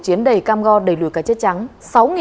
chiến đầy cam go đầy lùi cá chất trắng